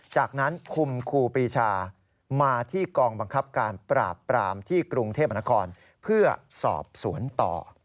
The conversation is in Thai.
จากนั้นคุมครูปรีชามาที่กองบังคับการปราบปรามที่กรุงเทพมนครเพื่อสอบสวนต่อ